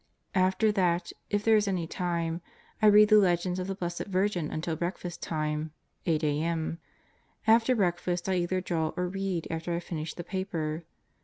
After that, if there is any time, I read the Legends of the Blessed Virgin until breakfast time 8 a.m. After breakfast 'I either draw or read after I have finished the paper.